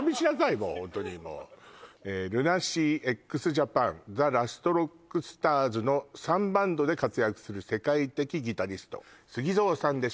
もうホントにもうＬＵＮＡＳＥＡ，ＸＪＡＰＡＮ，ＴＨＥＬＡＳＴＲＯＣＫＳＴＡＲＳの３バンドで活躍する世界的ギタリストＳＵＧＩＺＯさんです